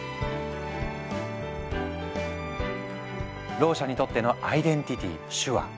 ろう者にとってのアイデンティティー手話。